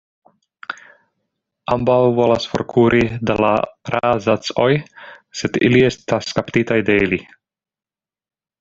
Ambaŭ volas forkuri de la Ra'zac-oj, sed ili estas kaptitaj de ili.